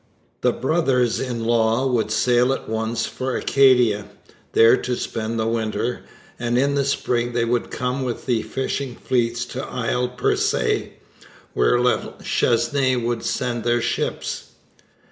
The brothers in law would sail at once for Acadia, there to spend the winter, and in the spring they would come with the fishing fleets to Isle Percé, where La Chesnaye would send their ships.